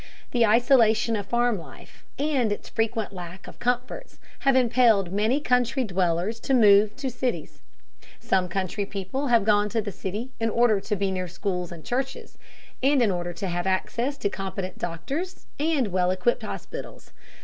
The isolation of farm life and its frequent lack of comforts have impelled many country dwellers to move to the cities. Some country people have gone to the city in order to be near schools and churches, and in order to have access to competent doctors and well equipped hospitals.